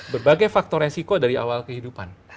berbagai faktor resiko dari awal kehidupan